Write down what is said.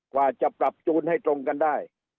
กว่าจะปรับจูนให้ตรงกันได้